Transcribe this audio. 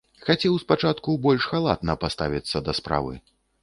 Хацеў спачатку больш халатна паставіцца да справы.